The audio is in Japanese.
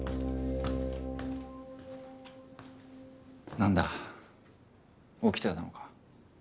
なんだ起きてたのか。